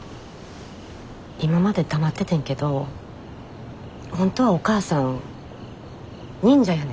今まで黙っててんけど本当はおかあさん忍者やねん。